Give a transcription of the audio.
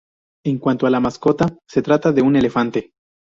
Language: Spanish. En cuanto a la mascota, se trata de un elefante.